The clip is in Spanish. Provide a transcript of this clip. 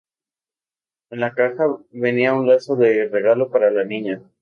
En la caja venía un Lazo de regalo para la niña.